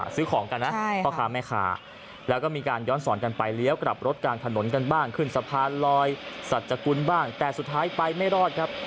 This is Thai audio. ซื้อของกันนะพ่อค้าแม่ค้าแล้วก็มีการย้อนสอนกันไปเลี้ยวกลับรถกลางถนนกันบ้างขึ้นสะพานลอยสัจกุลบ้างแต่สุดท้ายไปไม่รอดครับ